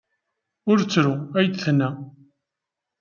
Ur ttru, ay d-tenna.